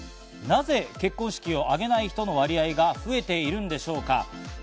なぜ結婚式を挙げない人の割合が増えているんでしょうか。